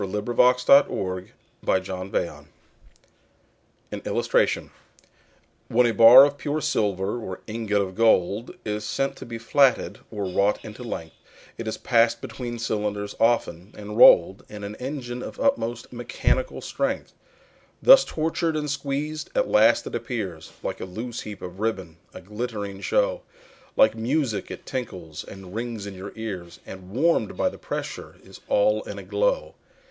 William Cowper The Flatting Mill An Illustration WHEN a bar of pure silver or ingot of gold Is sent to be flatted or wrought into length, It is pass'd between cylinders often, and roll'd In an engine of utmost mechanical strength. Thus tortured and squeezed, at last it appears Like a loose heap of ribbon, a glittering show, Like music it tinkles and rings in your ears, And warm'd by the pressure is all in a glow.